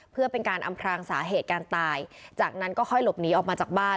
เพื่อเป็นการอำพรางสาเหตุการตายจากนั้นก็ค่อยหลบหนีออกมาจากบ้าน